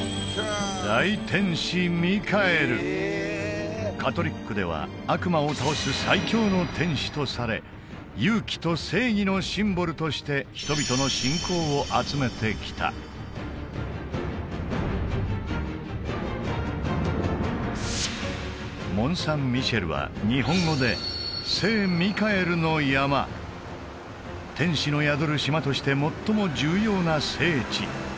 それはカトリックでは悪魔を倒す最強の天使とされ勇気と正義のシンボルとして人々の信仰を集めてきたモン・サン・ミシェルは日本語で「聖ミカエルの山」天使の宿る島として最も重要な聖地